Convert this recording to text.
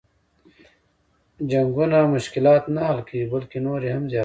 جنګونه مشلات نه حل کوي بلکه نور یې هم زیاتوي.